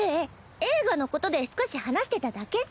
映画のことで少し話してただけっス。